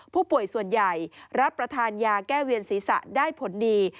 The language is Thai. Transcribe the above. ผู้ป่วยส่วนใหญ่รับประทานยาแก้เวียนศีรษะได้ผลดี